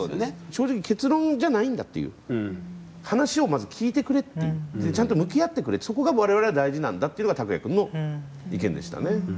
正直結論じゃないんだという話をまず聞いてくれというちゃんと向き合ってくれそこが我々は大事なんだというのがたくや君の意見でしたね。